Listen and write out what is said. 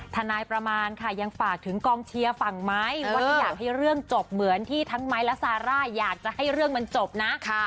ทนายประมาณค่ะยังฝากถึงกองเชียร์ฝั่งไม้ว่าถ้าอยากให้เรื่องจบเหมือนที่ทั้งไม้และซาร่าอยากจะให้เรื่องมันจบนะ